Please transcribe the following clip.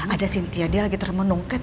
ada cynthia dia lagi termenungkat